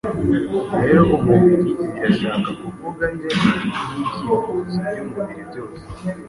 rero umubiri birashaka kuvuga irari n’ibyifuzo by’umubiri byose.